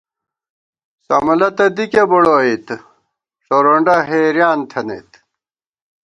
سمَلہ تہ دِکے بُڑوئیت ݭورونڈہ حېریان تھنَئیت